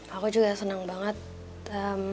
aku juga senang banget